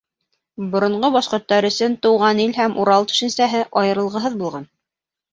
Боронғо башҡорттар өсөн Тыуған ил һәм Урал төшөнсәһе айырылғыһыҙ булған.